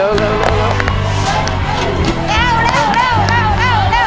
เร็วเร็วเร็ว